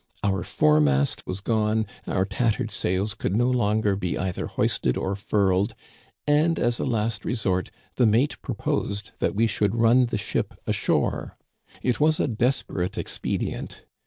Our foremast was gone, oui^ tattered sails could no longer be eitiier hoisted or furled, and, as a last resort, the mate proposed that we should run the ship ashore. It was a desperate expedient.